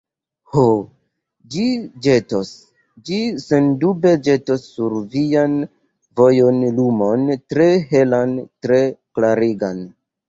Ho, ĝi ĵetos, ĝi sendube ĵetos sur vian vojon lumon tre helan, tre klarigan!